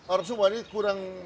orang sumba ini kurang memperbaiki